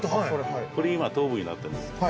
これ今東武になってます